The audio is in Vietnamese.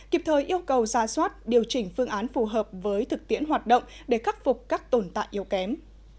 kịp thời yêu cầu ra soát điều chỉnh phương án phù hợp với thực tiễn hoạt động để khắc phục các tồn tại yếu kém